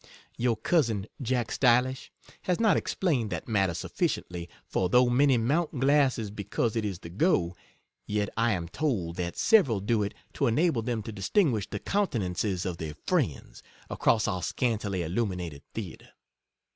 Your cousin, Jack Stylish, has not explained that matter suffi ciently, for though many mount glasses be* cause it is the go, yet I am told that several do it to enable them to distinguish the coun tenances of their friends across our scantily illuminated Theatre.